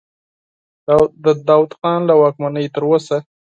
د داود خان له واکمنۍ تر اوسه.